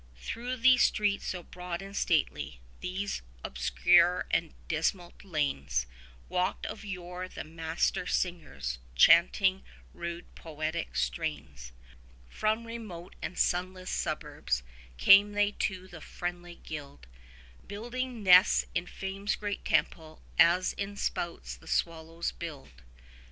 Through these streets so broad and stately, these obscure and dismal lanes, Walked of yore the Master singers, chanting rude poetic strains. 30 From remote and sunless suburbs came they to the friendly guild, Building nests in Fame's great temple, as in spouts the swallows build.